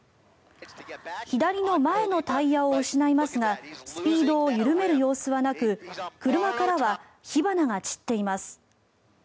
左の前のタイヤを失いますがスピードを緩める様子はなく車からは火花が散っています。